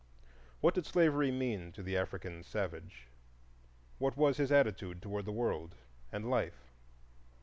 What did slavery mean to the African savage? What was his attitude toward the World and Life?